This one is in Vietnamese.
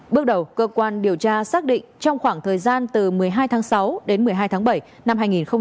bước đầu cơ quan điều tra xác định trong khoảng thời gian từ một mươi hai tháng sáu đến một mươi hai tháng bảy năm hai nghìn hai mươi